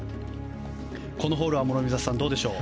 このホールは諸見里さんどうでしょう。